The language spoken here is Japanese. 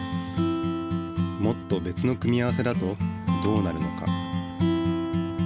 もっと別の組み合わせだとどうなるのか。